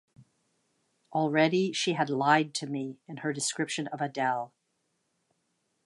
Already she had lied to me in her description of Adele.